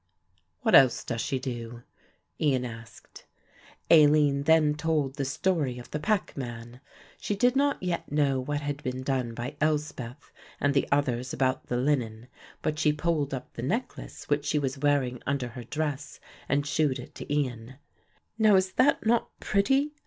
"What else does she do?" Ian asked. Aline then told the story of the packman. She did not yet know what had been done by Elspeth and the others about the linen, but she pulled up the necklace which she was wearing under her dress and shewed it to Ian. "Now is that not pretty?